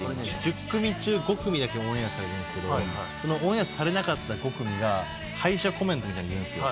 １０組中５組だけオンエアされるんですけどオンエアされなかった５組が敗者コメントみたいの言うんですよ。